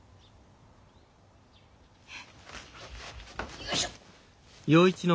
よいしょっ。